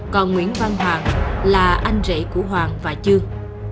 còn nguyễn văn hoàng là anh rể của hoàng và trương